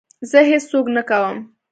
زه هېڅ څوک نه کوم.